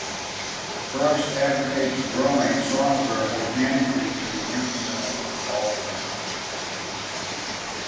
Brooks advocates "growing" software organically through incremental development.